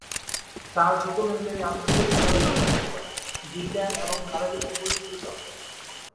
তার ডকুমেন্টারি, আন্তর্জাতিকভাবে প্রদর্শিত, ব্রিটেন এবং সারাবিশ্বে পুরস্কৃত।